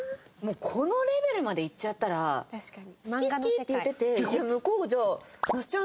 このレベルまでいっちゃったら「好き好き！」って言ってて向こうも那須ちゃん